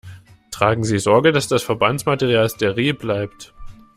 Tragen Sie Sorge, dass das Verbandsmaterial steril bleibt.